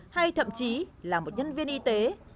hay thậm chí là một nhân viên y tế